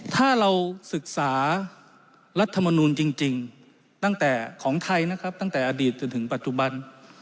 ถ้าเราศึกษารัฐมนูลจริงตั้งแต่ของไทยนะครับตั้งแต่อดีตจนถึงปัจจุบัน